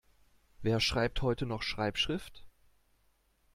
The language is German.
Wer schreibt heute noch Schreibschrift?